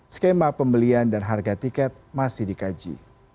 skema pembelian dan harga tiket masih dikaji